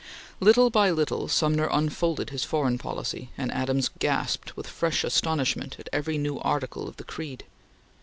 Little by little, Sumner unfolded his foreign policy, and Adams gasped with fresh astonishment at every new article of the creed.